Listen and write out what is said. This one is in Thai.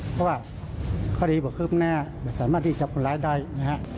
เพราะว่าคดีบกฆื้มแน่ไม่สามารถที่จะจับคนร้ายใดนะครับ